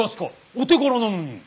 お手柄なのに！